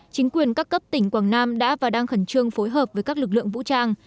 chính quyền các cấp tỉnh quảng nam đã và đang khẩn trương phối hợp với các lực lượng vũ trang